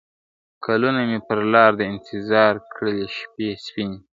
کلونه مي پر لار د انتظار کړلې شپې سپیني `